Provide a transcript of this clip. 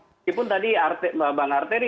walaupun tadi bang arteri